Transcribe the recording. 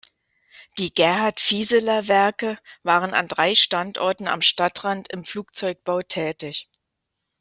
Die "Gerhard-Fieseler-Werke" waren an drei Standorten am Stadtrand im Flugzeugbau tätig.